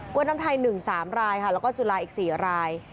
กล้วยน้ำไทย๑๓รายแล้วก็จุฬาอีก๔ราย